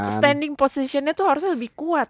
standing positionnya tuh harusnya lebih kuat ya